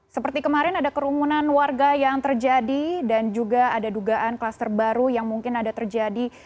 seperti kemarin ada kerumunan warga yang terjadi dan juga ada dugaan klaster baru yang mungkin ada terjadi